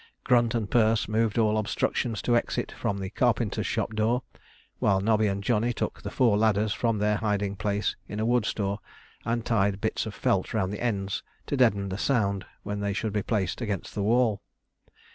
Grunt and Perce removed all obstructions to exit from the carpenter's shop door, while Nobby and Johnny took the four ladders from their hiding place in a wood store and tied bits of felt round the ends to deaden the sound when they should be placed against the wall.